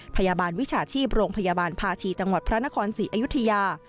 วิชาชีพโรงพยาบาลภาชีจังหวัดพระนครศรีอยุธยา